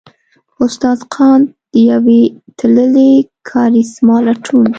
استاد قانت؛ د يوې تللې کارېسما لټون!